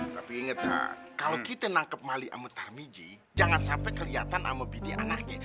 tapi inget tar kalau kita nangkep mali sama tar mijie jangan sampai keliatan sama bidi anaknya